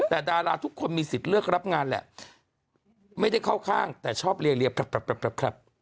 แต่ดาราทุกคนมีสิทธิ์เลือกรับงานแหละไม่ได้เข้าข้างแต่ชอบเรียบ